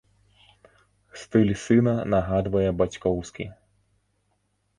Стыль сына нагадвае бацькоўскі.